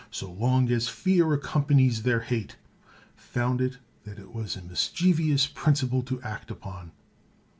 So long as fear accompanies their hatef found that it was a mischievous principle to act upon.